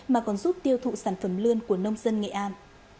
mà còn giúp tiêu thụ sản phẩm lươn của nông dân nghệ an